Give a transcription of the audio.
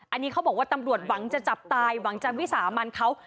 อันนี้เขาบอกว่าตำรวจหวังจะจับตายหวังจะวิสามันเขา